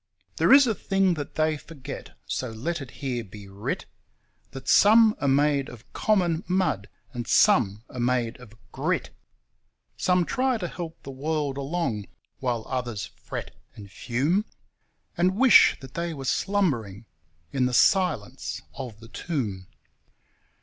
There is a thing that they forget, so let it here be writ, That some are made of common mud, and some are made of GRIT; Some try to help the world along while others fret and fume And wish that they were slumbering in the silence of the tomb.